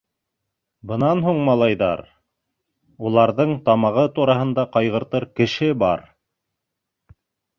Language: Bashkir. Бынан һуң малайҙар, уларҙың тамағы тураһында ҡайғыртыр кеше бар!